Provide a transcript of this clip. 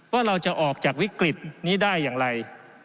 ว่าเราจะออกจากวิกฤตนี้ได้อย่างไร